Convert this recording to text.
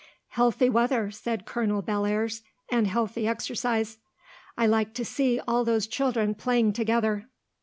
"Healthy weather," said Colonel Bellairs, "and healthy exercise. I like to see all those children playing together."